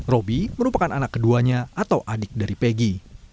robi merupakan anak keduanya atau adik dari pegi